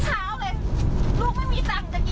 อยากมีรถไปทำงาน